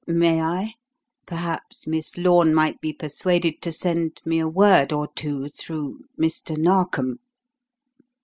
May I? Perhaps Miss Lorne might be persuaded to send me a word or two through Mr. Narkom."